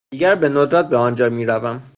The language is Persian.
دیگر به ندرت به آنجا میروم.